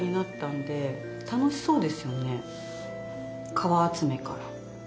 皮集めから。